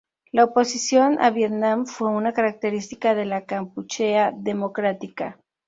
La oposición a Vietnam fue una característica de la Kampuchea Democrática.